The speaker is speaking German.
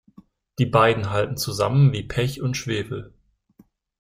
Die beiden halten zusammen wie Pech und Schwefel.